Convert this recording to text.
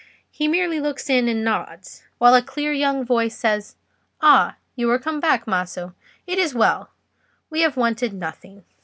He merely looks in and nods, while a clear young voice says, "Ah, you are come back, Maso. It is well. We have wanted nothing."